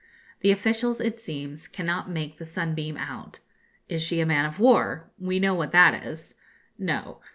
The officials, it seems, cannot make the 'Sunbeam' out. 'Is she a man of war? We know what that is.' 'No.'